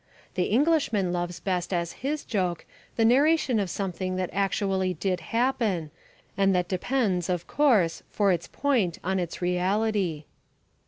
The Englishman loves best as his joke the narration of something that actually did happen and that depends, of course; for its point on its reality.